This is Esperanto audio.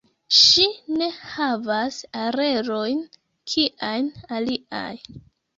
Ŝi ne havas orelojn kiajn aliaj.